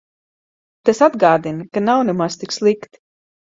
Tas atgādina, ka nav nemaz tik slikti.